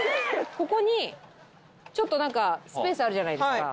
ここにちょっとスペースあるじゃないですか。